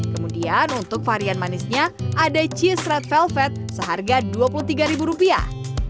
kemudian untuk varian manisnya ada cheese red velvet seharga dua puluh tiga ribu rupiah